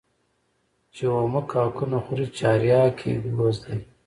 چي اومه کاکونه خوري چارياک يې گوز دى.